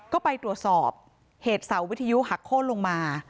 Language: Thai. ก็ไปตรวจสอบเหตุเสาวิทยุหักโค้นลงมา